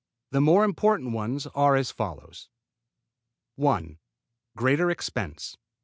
The more important ones are as follows: 1. _Greater expense.